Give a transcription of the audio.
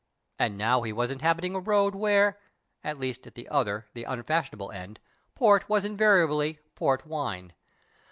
And now he was inhabiting a road where (at least at the other, the unfashionable, end) port was invariably " port wine."